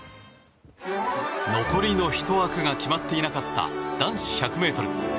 残りの１枠が決まっていなかった男子１００ｍ。